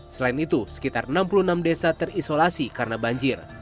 selain itu sekitar enam puluh enam desa terisolasi karena banjir